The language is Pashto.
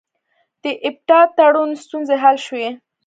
د اپټا تړون ستونزې حل شوې؟